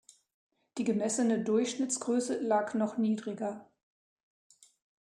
Die gemessene Durchschnittsgröße lag noch niedriger.